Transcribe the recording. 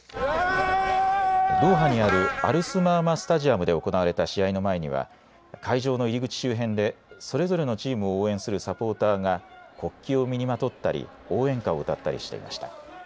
ドーハにあるアルスマーマスタジアムで行われた試合の前には会場の入り口周辺でそれぞれのチームを応援するサポーターが国旗を身にまとったり応援歌を歌ったりしていました。